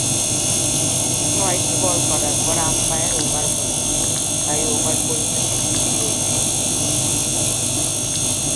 ছয়টি বল করার পর আম্পায়ার ‘ওভার’ বলে থাকেন; তাই ওভার পরিভাষার সৃষ্টি হয়েছে।